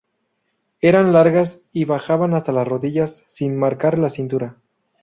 Eran largas y bajaban hasta las rodillas, sin marcar la cintura.